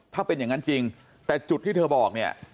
ถ้าเป็นอย่างนั้นจริงแต่จุดที่เธอบอกเนี่ย